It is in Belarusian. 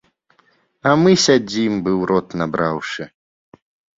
А мы сядзім, бы ў рот набраўшы.